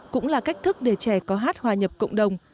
cũng là cách thức để trẻ có hát hòa nhập cộng đồng